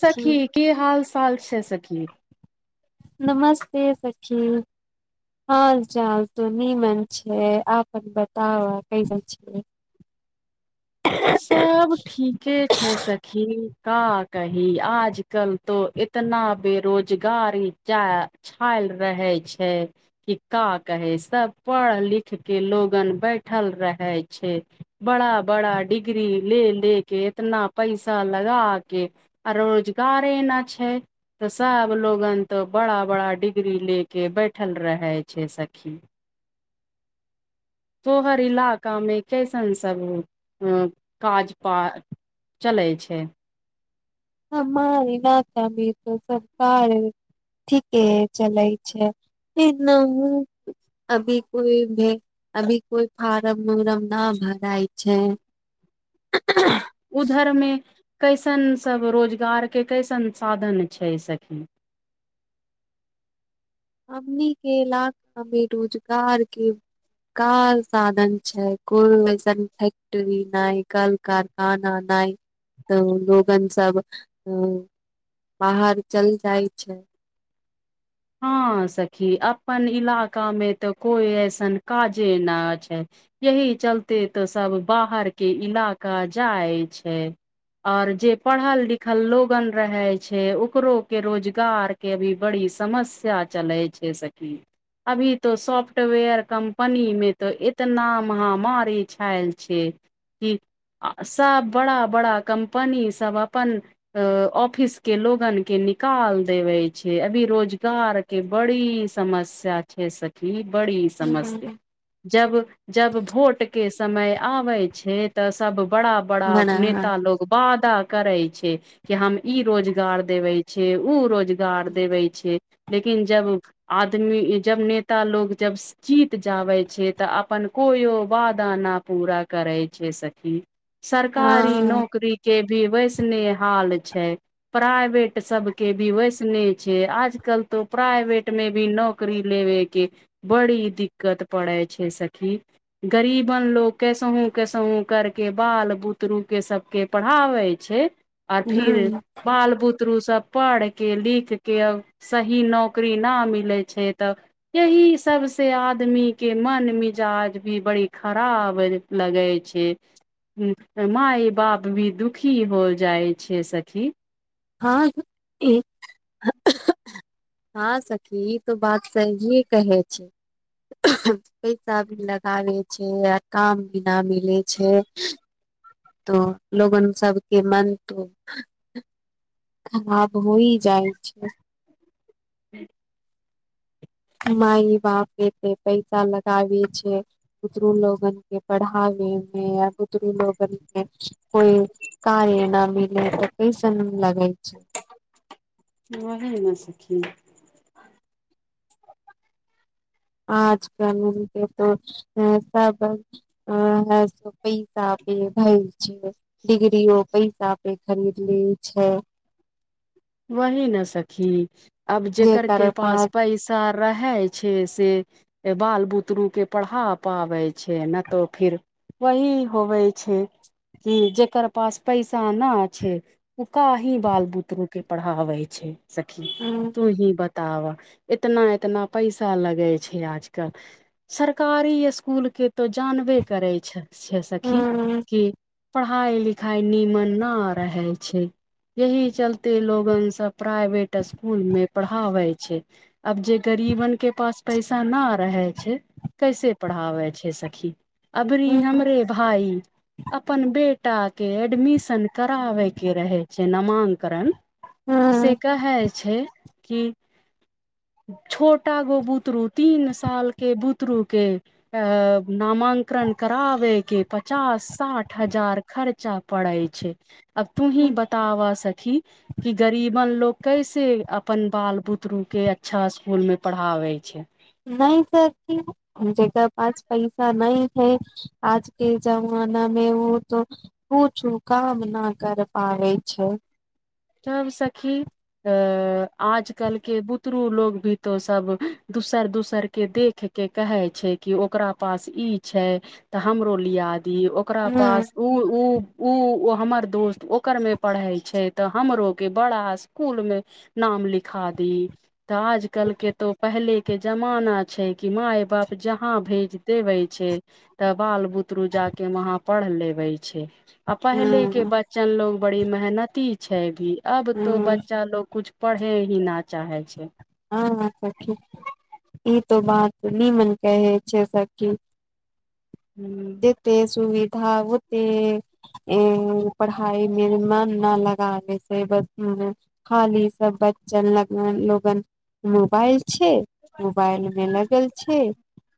सखी कि हाल चाल छैक सखि नमस्ते सखि हाल चाल त नीमन छैक आपन बताउ कैसन छैक सब ठीके छैक सखि का कही आज कल तो इतना बेरोजगारी छय रहय छैक कि का कहि सब पढ़ लिखकेँ लोगन बैठल रहैत छैक बड़ा बड़ा डिग्री ले ले केँ इतना पैसा लगाकेँ आ रोजगार ना छैक तऽ सभ लोगन तऽ बड़ा बड़ा डिग्री लेकेँ बैठल रहैत छैक सखि तोहर इलाकामे कैसन सभ काज पात चलैत छैक हमार इलाकामे त सब काज ठीके चलय छैक ह अभी कोइ भी फार्म उरम नहि भराय छैक हू [unintelligible] उधरमे कैसन सब रोजगारकेँ कैसन साधन छैक सखि [inaudible] हमनी केँ इलाका मे रोजगारकेँ काल साधन छैक कोइ ऐसन फैक्टरी नहि कल कारखाना नहि तऽ लोगन सब बाहर चल जाइत छैक हां सखी अप्पन इलाका मे तऽ कोइ ऐसन काजे नहि छैक यही चलते तऽ सब बाहर केँ इलाका जाइत छैक और जे पढ़ल लिखल लोगन रहैत छैक ओकरो केंँ रोजगार केँ अभी बड़ी समस्या चलैइ छैक सखि अभी तऽ सॉफ्टवेयर कम्पनी मे तऽ इतना महामारी छायल छैक की [unintelligible] सब बड़ा बड़ा कम्पनी सब अपन ऑफिसकेँ लोगनकेँ निकाल देवय छैक अभी रोजगार केँ बड़ी समस्या छैक सखि बड़ी समस्या बना जब जब भोट केँ समय आबैत छैक तऽ सब बड़ा बड़ा हँ नेता लोग बादा करैइ छैय। कि हम ई रोजगार देबै छैय ओ रोजगार देबे छैय लेकिन जब आदमी जब नेता लोग जब जीत जाबैए छैय तऽ अपन कोनो वादा न पूरा करैत छैक सखि सरकारी ह नौकरी केँ भी वैसने हाल छैक प्राइवेट सबकेँ भी वैसने छैइ आज आज कल तो प्राइवेट मे भी नौकरी लेवय केँ बड़ी दिक्कत पड़ैत छैक सखि गरीबन लोके कैसहूंँ कैसहूंँ करकेँ बाल बुतरू कें सबके पढ़ा आबैत छैक आर फिर हँ बाल बुतरु सब पढ़केँ लिखकेँ सही नौकरी ना मिलैत छैक तऽ एहि सबसँ आदमीकेँ मन मी जाज भी बड़ी खराब लगैत छैक हूँ माय बाप भी दुखी होअ जाइत छैक सखी [unintelligible] हां सखी ई त बात सहीये कहैत छैक पैसा लगाबैत छैक आ काम भी ना मिलैत छैक तऽ लोगन सबकेँ मन तो खराब होइत जाइत छैक हंअ् [unintelligible] माइ बाप एते पैसा लगाबे छे बुतरू लोगन के पढ़ाबे में आ बुतरू ओकरि के कोइ कार्य न मिलेह तऽ कैसन लगै छैय। ओही ना सखी। आज क मिलके तो सब [unintelligible] भइल छैय डीगरीओ पैसा पे खरीद लेइ छैय। वही न सखी अब जे जेकर के कारण पास पैसा रहैय छैय से बाल बुतरु के पढ़ा पाबै छैय न तऽ फिर वही होबै छैय। कि जेकर पास पैसा न छैय ओ का ही बाल बुतरु के पढ़ाबे छैय सखी तू ही बताव इतना इतना पैसा लगै छैय आजकल सरकारी एसकुल के तो जानबे करै छ स सखी कि पढ़ाइ पढ़ाई लिखाई नीमन न रहै छैय यही चलते कते लोगन सब प्राइवेट स्कूल में पढ़ाबैइ छैय। अब जे गरीबन के पास पैसा ना रहैए छैय कैसे पढ़ाबैइ छैय सखी अभरी नहि हमरे भाइ अपन बेट बेटा के एडमिशन कराबे के रहे छैय नामांकन से कहै छैय कि छोटा गो बुतरू तीन सालके बुतरू के अ नाम नामंकन कराबे के पचास साठ हजार खर्चा पड़ै छैय। अब तू ही बताव सखी कि गरीबन लोग कैसे अपन बाल बुतरू के अच्छा इसकुल में पढ़ाबै छैय नहि स ककर पास पैसा नहि है आजके जमान मनमे ओ त पूछू काम न कर पाबे छै तब सखी अ आजकल के बुतरू लोग भी तो सब दूसर दूसर के देख के कहे छैय कि ओकरा पास ई छैय तऽ हमरो लियाज ओकरा ह पास उ उ ऊ हमर दोस्त ओकर मे पढ़े छैय। हमरो के बड़ा स्कूल मे नाम लिखा दी तऽ आजकल के तो पहल पहिले के जमाना छैय कि माय बाप जहा भेज देवे छैय तब बाल बुतरू जा के वहा पढ़ लेबे छै आ पहले के ह बच्चन लोग बड़ी मेहनती छै भी अब तो ह बच्चा लोग कुछ पढ़े ही हँ सखी ई तो बात निमन कहेैत छैक सखि ह जेेते सुविधा होते पढ़ाई मे मन न लगे से खाली सब बन लग लोगन मोबाइल छैय मोबाइल मे लगल छैय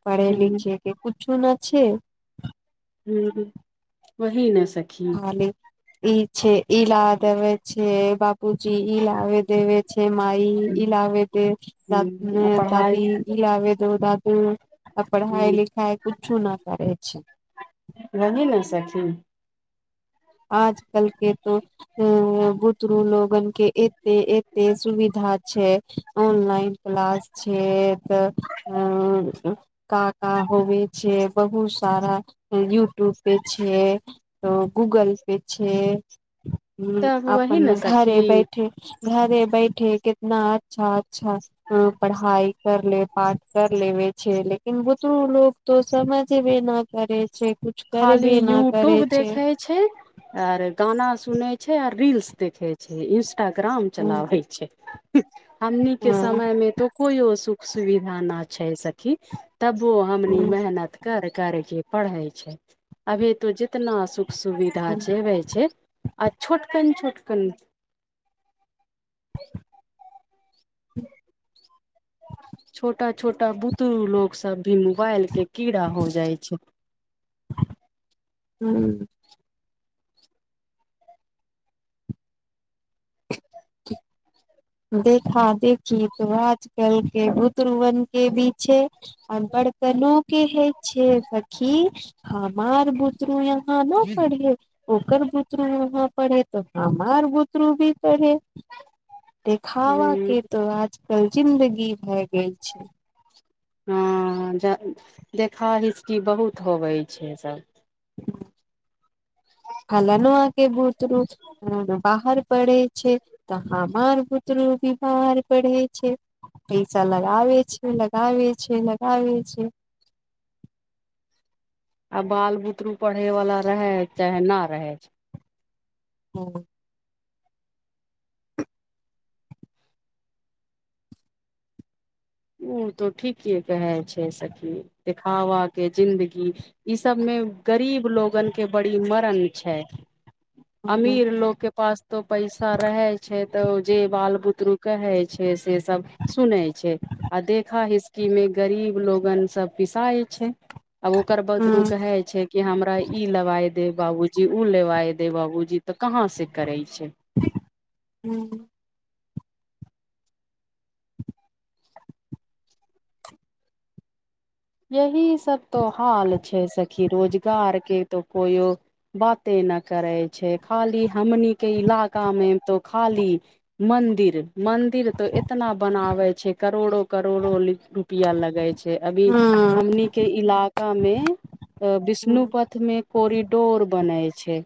पढ़े लिखे के कुछो न छैय ह वही न सखी खाली ई छैय ई ल देबे छिय बाप कूची इलावे देवे छैय मइ इलावे दे द पढ़ाइ दादी इलावे द दादू आ पढ़ाइ लिखा कूछु न करे छैय वही ने सखी आजकल के तो उ बुतरू लोगन के एते एते सुविधा छैय ऑनलाइन क्लास छैय त का का होवे छैय बहुत सारा यूट्यूब पे छैय। त गूगल पे छैय ह तब वही ने आपन सखी घरे बैठे घरे बैठे कितना अच्छा अच्छा पढ़ाई कर ले पाठ कर ले लेकिन बुतरु लोक त समझ भे न करे छै कुछ खाली करबे न करे यूट्यूब देखै छै आर गाना सुनै छै आर रील्स देखैत छै इंस्टाग्राम चलाबै छैक हमनी के ह समय मे तो कोइयो सुख सुविधा न छै सखि तबो हमनी मेहनत कर केँ पढ़ैत छै अभी तो जितना सुख सुविधा छैक छोटकन छोटकन [inaudible] छोटा छोटा बुतरु लोग सब भी मोबाइल केँ कीड़ा हो जाइत छैक [inaudible] ह ठीक देखा देखी तो आजकल केँ बुतरुवन केँ बीछे बड़तलू केँ हे छ सखी हमार बुतरु या य न पढ़े ओकर बुतरु वहाँ पढ़े तो हमार बुतरु भी पढ़े देखावा हूँ केँ त आजकल ज़िन्दगी भए गेल छैक हँ ज देखा हिसकी बहुत होबय छैक सभ खाल नहके बहुत [unintelligible] बाहर पड़ैत छैक त हमार बुतरू बाहर पढ़ैत छै पैसा लगाबय छैक लगाबय छैक लगाबय छै [inaudible] आ बाल बुतरू पढ़यवला रहय चाहे ना रहय छै हँ ओ तो ठीके कहैत छै सखि देखावा केँ जिंन्दगी ई सबमे गरीब लोगन केँ बड़ी मरण छै अमीर लोक केँ पास तो पैसा रहैत छै तऽ जे बाल बुतरु कहैत छै से सब सुनैत छै आ देखा हिस्की मे गरीब लोगन सब पिसाए छै अब ओकर बतरु हूँ कहैत छै कि हमरा ई लवाय दे बाबूजी उ लेबाय दे बाबूजी तऽ कहाँ से करे ह्म [inaudible] यही सब तो हाल छैक सखी रोजगार केँ तो कोइयो बाते ऐना करैत छै खाली हमनी केंँ इलाका मे तो खाली मंदिर मंदिर तो एतना बनावे छैय करोड़ो करोड़ो रुपआ लगे छैय अभी हूँ हमनी के इलाका मे विष्णुपथ मे कोरिडोर बनय छय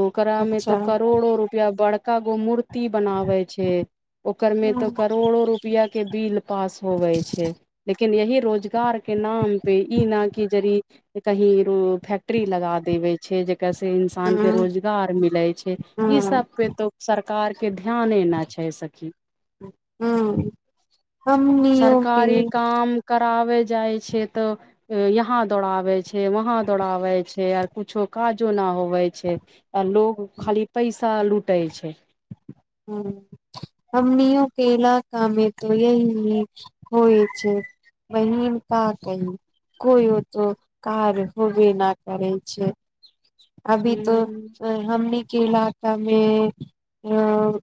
ओकरा मे तो अच्छा करोड़ो रुपआ बड़का गो मूर्ति ती बनावे छै ओकर मे हूँ तो करोड़ो रुपआ केँ बिल पास होबय छै लेकिन यही रोजगार केँ नाम पे कि जरि कही रो फैक्ट्री लगा देवय छै जे कैसे इंसान कें हूँ रोजगार मिलैत छै इ हूँ सब पे तो सरकार कार केँ ध्याने ना छै सखी हूँ हमनियो के सरकारी काम कराबे जाय छिय तऽ यहाँ दौड़ाबैत छै वहाँ दौड़ाबैत छै आर कुछो काजो न होवे छै आ लोग खाली पैसा लूटै छै ह हमनीओ केलक कामे त यही होइत छैक बहिन का कही कोइओ त कार्य होबय न करैत छै अभी तऽ हूँ अ हमनी केँ इलाका मे अ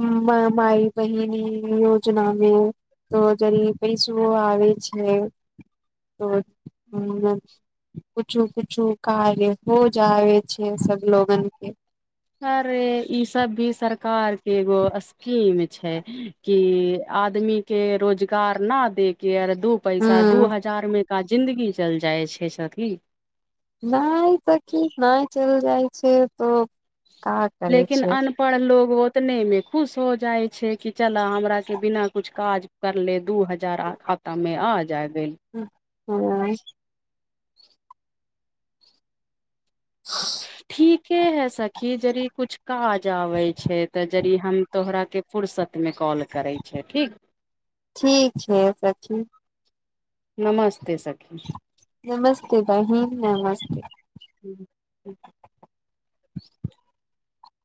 म माई बहिनी योजना मे त जरी पैसो आबै छैय त [inaudible] कुछु कुछु कार्य हो जाय छैय सब लोगन के अरे ई सब भी सरकार एगो स्कीम छैय कि आदमी के रोजगार न दे के अर दू पैसा दू हूं हजार मे का जिन्दगी चल जाइ छैय सखि नहय तऽ की नय चल जाइ छैय तऽ लेकिन अनपढ़ लोक ओतने मे खुश हो जाय छैय कि चल हमरा के बिना कुछ काज करले दू हजार खाता मे आ जाय ह ह्म ठीके है सखी जरी कुछ काज आबै छैय तऽ जरी हम तोहरा के फुर्सत में कॉल करै छै ठीक ठीक छैय सखी नमस्ते सखी नमस्ते बहिन नमस्ते। ठीक ठीक